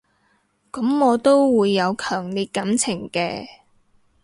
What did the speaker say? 噉我都會有強烈感情嘅